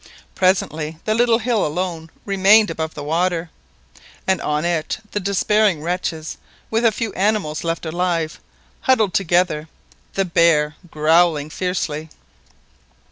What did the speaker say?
Presently the little hill alone remained above water, and on it the despairing wretches, with the few animals left alive, huddled together, the bear growling fiercely.